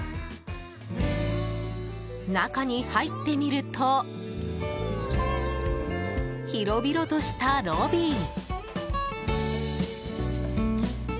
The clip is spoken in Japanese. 中に入ってみると広々としたロビー。